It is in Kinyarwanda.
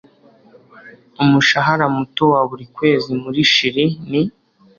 Umushahara muto wa buri kwezi muri Chili ni